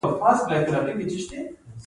د بودا مجسمې څومره لوړې وې؟